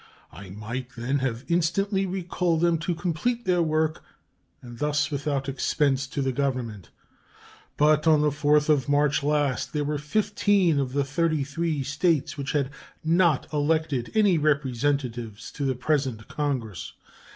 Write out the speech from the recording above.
I might then have instantly recalled them to complete their work, and this without expense to the Government. But on the 4th of March last there were fifteen of the thirty three States which had not elected any Representatives to the present Congress.